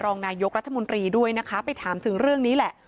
รองนายกรัฐมนตรีด้วยนะคะไปถามถึงเรื่องนี้แหละ